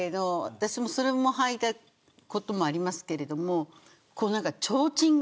私それもはいたことありますけれども。